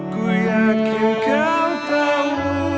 ku yakin kau tahu